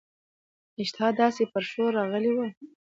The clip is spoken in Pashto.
اشتها داسي پر ښور راغلې وه.